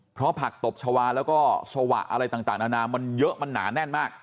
เพราะผักตบชาวาแล้วก็สวะอะไรต่างนานามันเยอะมันหนาแน่นมาก